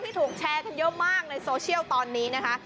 ถูกแชร์กันเยอะมากในโซเชียลตอนนี้นะคะ